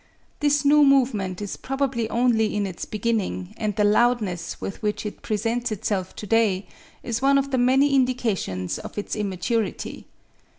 This new movement is probably only in its beginning and the loudness with which it presents itself to day is one of the many indications of its immaturity.